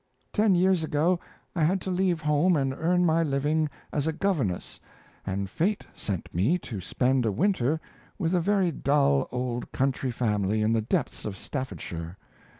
Ten years ago I had to leave home and earn my living as a governess and Fate sent me to spend a winter with a very dull old country family in the depths of Staffordshire.